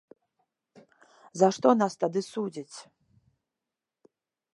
За што нас тады судзяць?